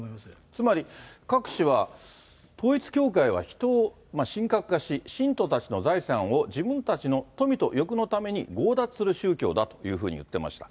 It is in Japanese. つまり、クァク氏は統一教会は人を神格化し、信徒たちの財産を自分たちの富と欲のために強奪する宗教だというふうに言ってました。